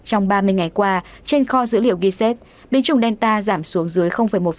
trong ba mươi ngày qua trên kho dữ liệu ghi xét biến chủng delta giảm xuống dưới một